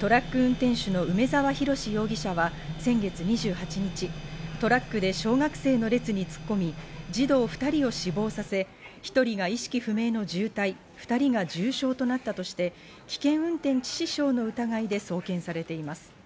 トラック運転手の梅沢洋容疑者は先月２８日、トラックで小学生の列に突っ込み、児童２人を死亡させ、１人が意識不明の重体、２人が重傷を負ったとして、危険運転致死傷の疑いで送検されています。